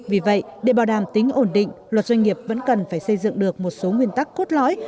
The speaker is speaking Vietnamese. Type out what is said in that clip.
vì vậy để bảo đảm tính ổn định luật doanh nghiệp vẫn cần phải xây dựng được một số nguyên tắc cốt lõi